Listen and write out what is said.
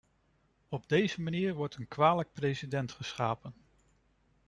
Op deze manier wordt een kwalijk precedent geschapen.